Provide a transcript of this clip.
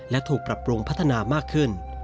และถูกปรับปรุงพัฒนามากขึ้น